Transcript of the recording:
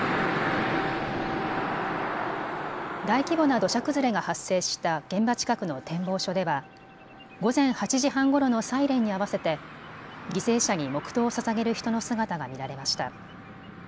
大規模な土砂崩れが発生した現場近くの展望所では午前８時半ごろのサイレンに合わせて犠牲者に黙とうをささげる人の姿が見られました。